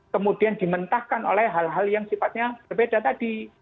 kemudian dimentahkan oleh hal hal yang sifatnya berbeda tadi